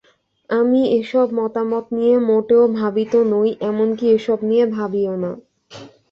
আমি এসব মতামত নিয়ে মোটেও ভাবিত নই, এমনকি এসব নিয়ে ভাবিও না।